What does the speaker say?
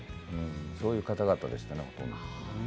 そういう方々でしたね。